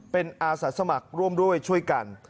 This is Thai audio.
เป็นอาศัตริย์สมัครร่วมด้วยช่วยกัน